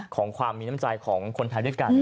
ของความมีน้ำใจของคนไทยด้วยกัน